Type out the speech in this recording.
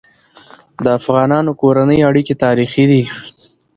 د افغانانو کورنی اړيکي تاریخي دي.